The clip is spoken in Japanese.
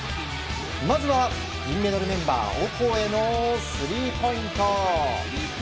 まずは銀メダルメンバーオコエのスリーポイント。